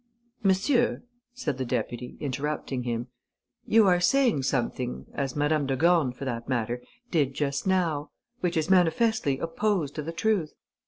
"Monsieur," said the deputy, interrupting him, "you are saying something as Madame de Gorne, for that matter, did just now which is manifestly opposed to the truth.